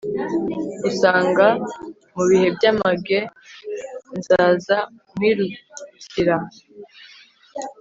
ngusanga ; mu bihe by'amage, nzaza nkwirukira